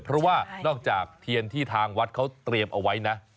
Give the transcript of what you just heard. เพราะว่านอกจากเทียนที่ทางวัดเขาเตรียมเอาไว้นะ